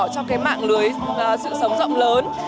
trong cái mạng lưới sự sống rộng lớn